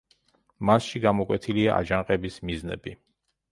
მასში გამოკვეთილია აჯანყების მიზნები.